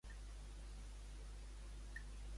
Què hi ha a can Suñol?